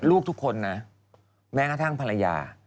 ลูกทุกคนนะแม้กระทั่งภรรยา